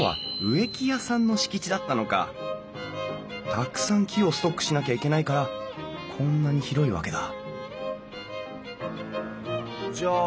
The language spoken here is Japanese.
たくさん木をストックしなきゃいけないからこんなに広いわけだじゃあ